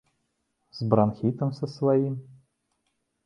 З бранхітам са сваім?